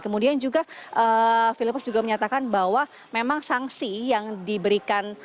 kemudian juga filipis juga menyatakan bahwa memang sanksi yang diberikan